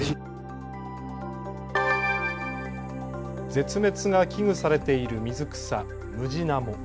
絶滅が危惧されている水草、ムジナモ。